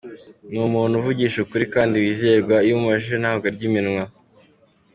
Ni umuntu uvugisha ukuri kandi wizerwa, iyo umubajije ntabwo arya iminwa.